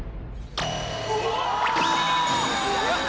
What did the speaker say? うわ！